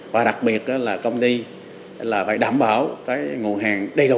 và đặc biệt là công ty phải đảm bảo nguồn hàng đầy đủ